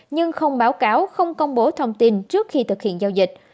nhưng không báo cáo không công bố thông tin trước khi thực hiện giao dịch